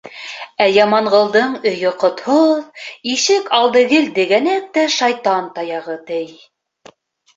Ә Яманғолдоң өйө ҡотһоҙ, ишек алды гел дегәнәк тә шайтан таяғы, ти.